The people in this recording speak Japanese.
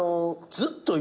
ずっとさ。